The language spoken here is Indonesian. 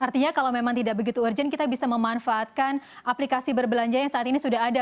artinya kalau memang tidak begitu urgent kita bisa memanfaatkan aplikasi berbelanja yang saat ini sudah ada